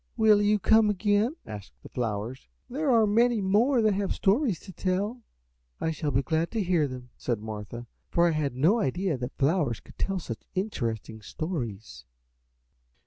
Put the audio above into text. "Will you come again?" asked the flowers; "there are many more that have stories to tell." "I shall be glad to hear them," said Martha, "for I had no idea that flowers could tell such interesting stories."